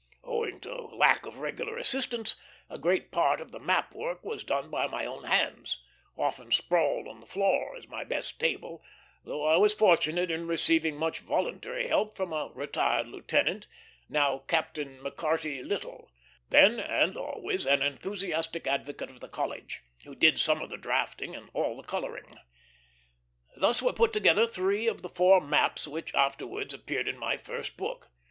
Owing to lack of regular assistance, a great part of the map work was done by my own hands, often sprawled on the floor as my best table; though I was fortunate in receiving much voluntary help from a retired lieutenant, now Captain McCarty Little, then and always an enthusiastic advocate of the College, who did some of the drafting and all the coloring. Thus were put together three of the four maps which afterwards appeared in my first book.